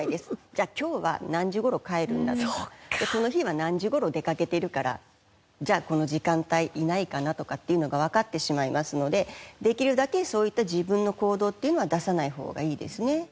じゃあ今日は何時頃帰るんだとかこの日は何時頃出かけてるからじゃあこの時間帯いないかなとかっていうのがわかってしまいますのでできるだけそういった自分の行動っていうのは出さない方がいいですね。